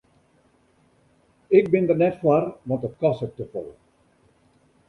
Ik bin der net foar want it kostet te folle.